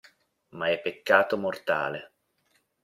Ma è peccato mortale.